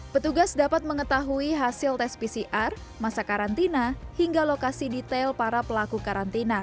petugas dapat mengetahui hasil tes pcr